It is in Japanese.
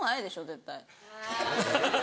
絶対。